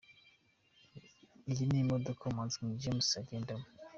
Iyi ni imodoka umuhanzi King James agendamo.